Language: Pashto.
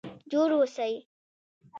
جوړ اوسئ؟